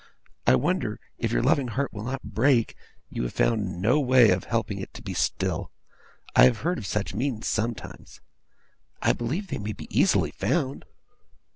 I wonder, if your loving heart will not break, you have found no way of helping it to be still! I have heard of such means sometimes. I believe they may be easily found.